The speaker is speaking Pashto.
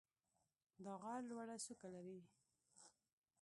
دا غر لوړه څوکه لري.